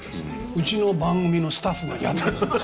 うちの番組のスタッフがやってたんです。